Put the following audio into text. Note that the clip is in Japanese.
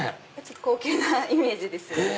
高級なイメージですよね。